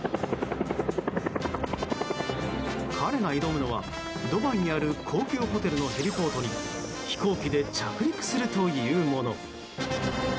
彼が挑むのはドバイにある高級ホテルのヘリポートに飛行機で着陸するというもの。